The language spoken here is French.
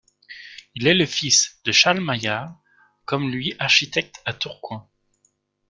Il est le fils de Charles Maillard comme lui architecte à Tourcoing.